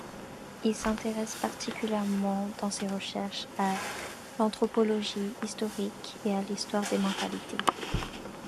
Il s'intéresse particulièrement dans ses recherches à l'anthropologie historique et à l'histoire des mentalités.